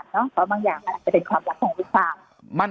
เพราะบางอย่างมันอาจจะเป็นความลับของลูกความ